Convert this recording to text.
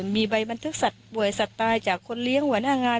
มีใบบันทึกสัตว์ป่วยสัตว์ตายจากคนเลี้ยงหัวหน้างาน